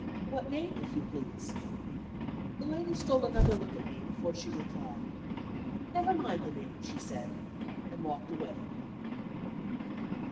"What name, if you please?" The lady stole another look at me, before she replied. "Never mind the name," she said and walked away.